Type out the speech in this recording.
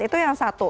itu yang satu